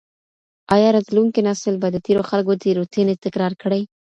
ایا راتلونکی نسل به د تېرو خلګو تېروتنې تکرار کړي؟